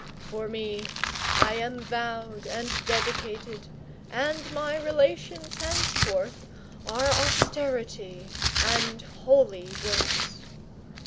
For me, I am vowed and dedicated, and my relations henceforth are austerity and holy works.